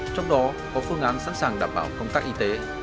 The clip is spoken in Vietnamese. trong đó có phương án sẵn sàng đảm bảo công tác y tế